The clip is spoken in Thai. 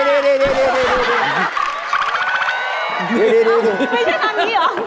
ไม่ใช่ทางนี้หรอ